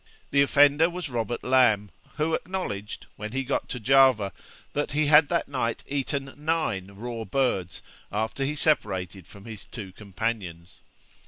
The offender was Robert Lamb, who acknowledged, when he got to Java, that he had that night eaten nine raw birds, after he separated from his two companions.